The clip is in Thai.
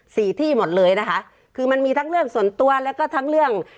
ที่หมดเลยนะคะคือมันมีทั้งเรื่องส่วนตัวแล้วก็ทั้งเรื่อง